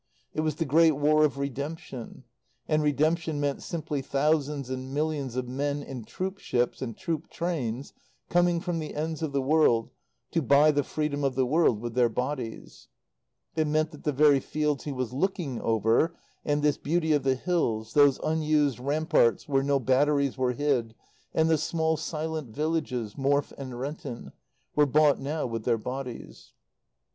It was the Great War of Redemption. And redemption meant simply thousands and millions of men in troop ships and troop trains coming from the ends of the world to buy the freedom of the world with their bodies. It meant that the very fields he was looking over, and this beauty of the hills, those unused ramparts where no batteries were hid, and the small, silent villages, Morfe and Renton, were bought now with their bodies.